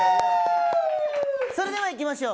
それではいきましょう。